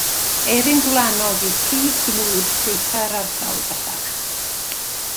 Eirin gwlanog yw prif gnwd ffrwythau'r ardal bellach.